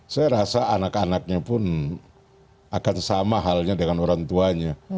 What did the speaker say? saya rasa anak anaknya pun akan sama halnya dengan orang tuanya